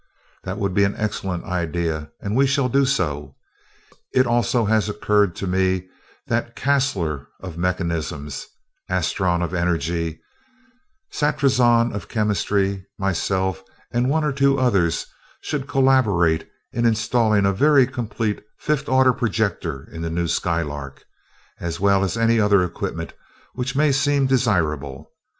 "That would be an excellent idea, and we shall do so. It also has occurred to me that Caslor of Mechanism, Astron of Energy, Satrazon of Chemistry, myself, and one of two others, should collaborate in installing a very complete fifth order projector in the new Skylark, as well as any other equipment which may seem desirable.